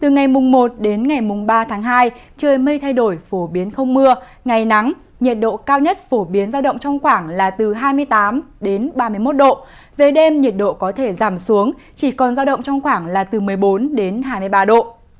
nhiệt độ cao nhất phổ biến giao động trong khoảng là từ hai mươi tám ba mươi một độ về đêm nhiệt độ có thể giảm xuống chỉ còn giao động trong khoảng là từ một mươi bốn hai mươi ba độ